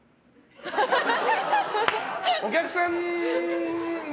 お客さんも。